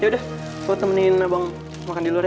yaudah gue temenin abang makan di luar ya